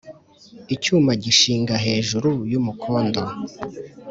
Icyuma gishinga hejuru y’umukondo,